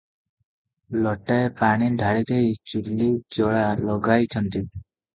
ଲୋଟାଏ ପାଣି ଢାଳିଦେଇ ଚୁଲ୍ଲୀ ଜଳା ଲଗାଇଛନ୍ତି ।